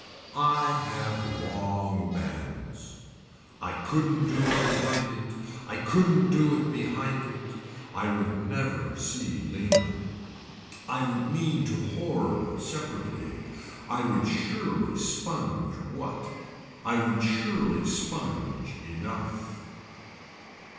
I have long bands. I couldn't do it behind it. I couldn't do it behind it. I would never see Lena. I would mean to hoard separately. I would surely sponge what. I would surely sponge enough.